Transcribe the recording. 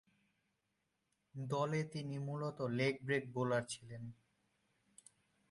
দলে তিনি মূলতঃ লেগ-ব্রেক বোলার ছিলেন।